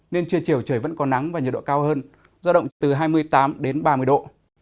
nên trưa chiều trời vẫn có nắng và nhiệt độ cao hơn giao động từ hai mươi tám đến ba mươi độ